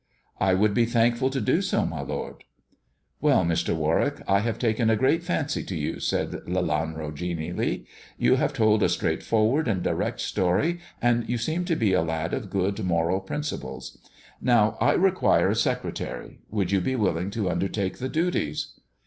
" I should be thankful to do so, my lord." "Well, Mr. Warwick, I have taken a great fancy to you," said Lelanro genially; "you have told a straight forward and direct story, and you seep to be a lad of good moral principles. Now I require a secretary ; would you be willing to undertake the duties